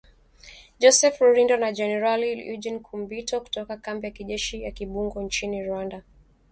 Joseph Rurindo na jenerali Eugene Nkubito, kutoka kambi ya kijeshi ya Kibungo nchini Rwanda